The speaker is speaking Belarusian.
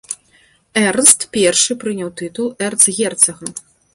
Эрнст першы прыняў тытул эрцгерцага.